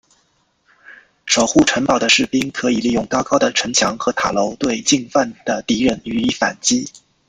守护城堡的士兵可以利用高高的城墙和塔楼对进犯的敌人予以反击。